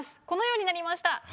このようになりました。